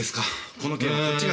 この件はこっちが先に。